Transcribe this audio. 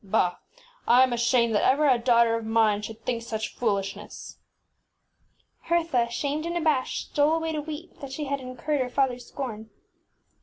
Bah! I am ashamed that ever a daughter of mine 'tlftm Mirabel should think such fool ishness ! ŌĆÖ Hertha, shamed and abashed, stole away to weep, that she had in curred her fatherŌĆÖsscorn.